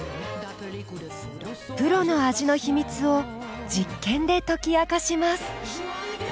プロの味の秘密を実験で解き明かします。